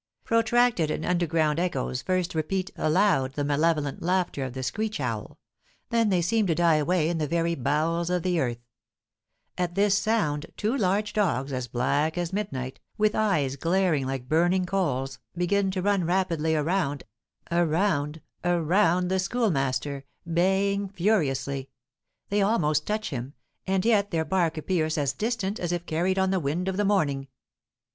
Protracted and underground echoes first repeat aloud the malevolent laughter of the screech owl. Then they seem to die away in the very bowels of the earth. At this sound two large dogs, as black as midnight, with eyes glaring like burning coals, begin to run rapidly around around around the Schoolmaster, baying furiously. They almost touch him, and yet their bark appears as distant as if carried on the wind of the morning.